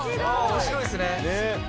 「面白いっすね！」